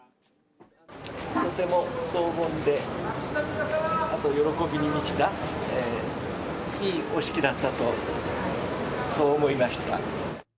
とても荘厳で、あと喜びに満ちた、いいお式だったと、そう思いました。